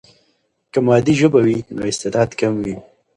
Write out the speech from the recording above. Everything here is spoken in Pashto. که مادي ژبه وي، نو استعداد کم وي.